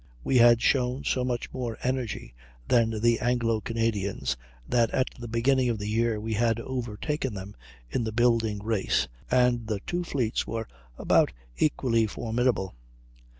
We had shown so much more energy than the Anglo Canadians that at the beginning of the year we had overtaken them in the building race, and the two fleets were about equally formidable.